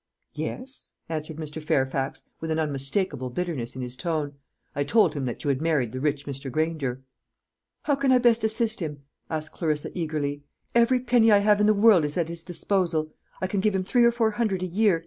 "Yes," answered Mr. Fairfax, with an unmistakable bitterness in his tone; "I told him that you had married the rich Mr. Granger." "How can I best assist him?" asked Clarissa eagerly. "Every penny I have in the world is at his disposal. I can give him three or four hundred a year.